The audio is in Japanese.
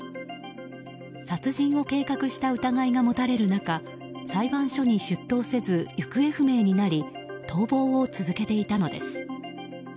殺人を計画した疑いが持たれる中裁判所に出頭せず行方不明になり逃亡を続けていたのです。